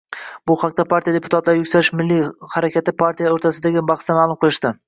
Bu haqda partiya deputatlari Yuksalish milliy harakatidagi partiyalar o'rtasidagi bahsda ma'lum qilishdi